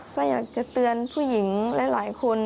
ก็อยากจะเตือนผู้หญิงหลายคน